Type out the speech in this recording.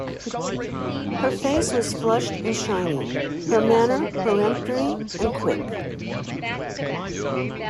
Her face was flushed and shiny, her manner peremptory and quick.